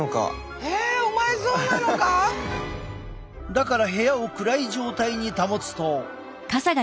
だから部屋を暗い状態に保つと。